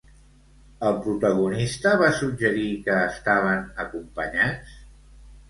El protagonista va suggerir que estaven acompanyats?